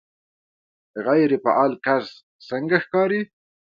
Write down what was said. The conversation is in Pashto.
غیر فعال کس څنګه ښکاري